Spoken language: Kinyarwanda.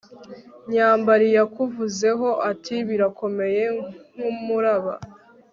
nyambari yakuvuzeho ati birakomeye nk'umuraba